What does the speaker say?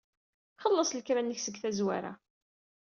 Xelleṣ lekra-nnek seg tazwara.